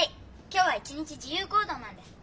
今日は一日自由行動なんです。